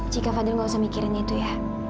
jika fadil nggak usah mikirin itu ya